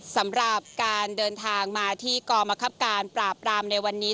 สำหรับการเดินทางมาที่กรมคับการปราบรามในวันนี้